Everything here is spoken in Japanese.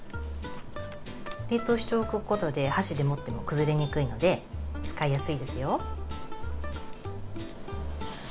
冷凍しておくことで箸で持っても崩れにくいので使いやすいですよ。